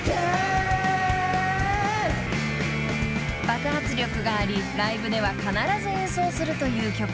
［爆発力がありライブでは必ず演奏するという曲］